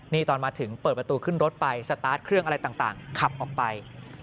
นี่ตอนมาถึงเปิดประตูขึ้นรถไปสตาร์ทเครื่องอะไรต่างขับออกไป